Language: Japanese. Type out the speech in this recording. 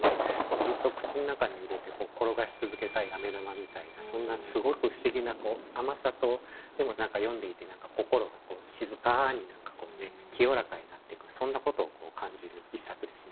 ずっと口の中に入れて転がしつづけたい飴玉みたいなそんなすごく不思議な甘さとでも何か読んでいて心が静かに清らかになっていくそんなことを感じる一冊ですね。